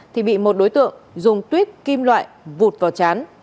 thì bị một đối tượng dùng tuyết kim loại vụt vào chán